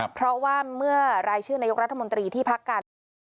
เพราะว่าเมื่อรายชื่อนายกรัฐมนตรีที่พักการเมือง